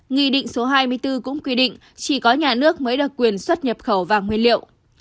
nghị định số hai mươi bốn cũng quy định chỉ có nhà nước mới được quyền xuất nhập khẩu vàng nguyên liệu